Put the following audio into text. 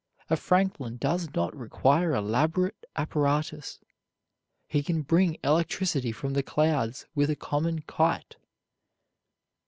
A Franklin does not require elaborate apparatus; he can bring electricity from the clouds with a common kite.